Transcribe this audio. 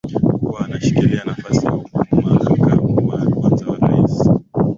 kuwa anashikilia nafasi ya umakamu wa kwanza wa rais